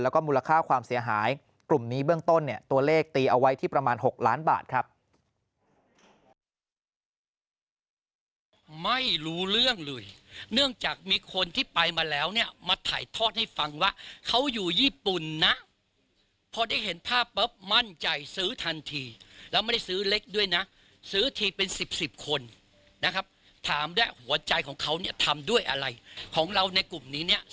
แล้วก็มูลค่าความเสียหายกลุ่มนี้เบื้องต้นเนี่ยตัวเลขตีเอาไว้ที่ประมาณ๖ล้านบาทครับ